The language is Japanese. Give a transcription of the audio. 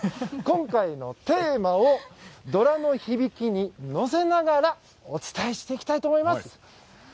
今回のテーマをドラの響きに乗せながらお伝えしていきたいと思います。